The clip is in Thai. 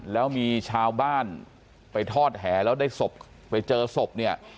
แล้วมีชาวบ้านไปทอดแห่แล้วได้สบไปเจอสบ